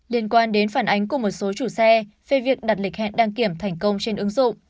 liên quan đến phản ánh của một số chủ xe về việc đặt lịch hẹn đăng kiểm thành công trên ứng dụng